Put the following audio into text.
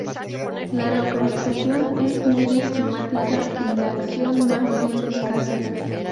La localización es muy esquemática; y la acción, más bien escasa.